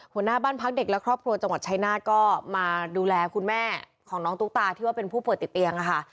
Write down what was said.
หัวหน้าบ้านพักเด็กและครอบครัวจังหวัดชายนาฏก็มาดูแลคุณแม่ของน้องตุ๊กตาที่ว่าเป็นผู้ป่วยติดเตียงค่ะ